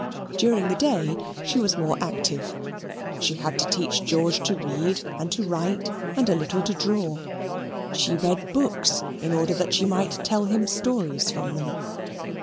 During the day she was more active. She had to teach George to read and to write and a little to draw. She read books, in order that she might tell him stories from them.